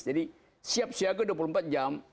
jadi siap siaga dua puluh empat jam